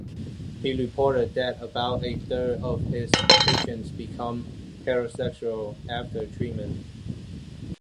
He reported that "about a third" of his patients became heterosexual after treatment.